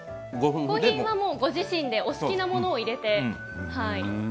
ご自身でお好きなものを入れて。